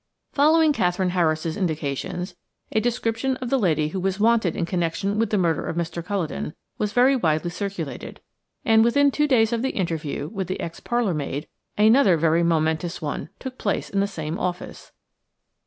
Following Katherine Harris's indications, a description of the lady who was wanted in connection with the murder of Mr. Culledon was very widely circulated, and within two days of the interview with the ex parlour maid another very momentous one took place in the same office.